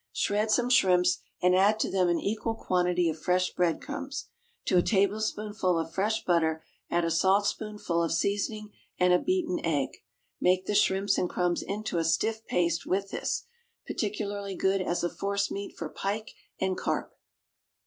Shred some shrimps and add to them an equal quantity of fresh breadcrumbs. To a tablespoonful of fresh butter add a saltspoonful of seasoning, and a beaten egg. Make the shrimps and crumbs into a stiff paste with this. Particularly good as a forcemeat for pike and carp.